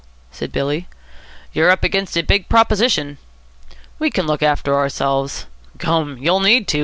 said Billy. "You're up against a big proposition." "We can look after ourselves." "Gum! you'll need to.